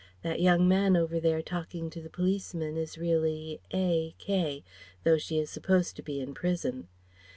That young man over there talking to the policeman is really A K though she is supposed to be in prison.